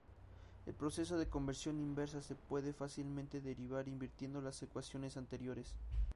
El proceso de conversión inversa se puede fácilmente derivar invirtiendo las ecuaciones anteriores.